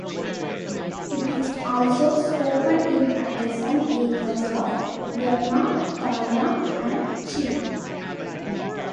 It is also spoken in adjacent areas of Vietnam, Thailand and China.